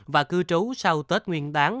và cư trú sau tết nguyên đáng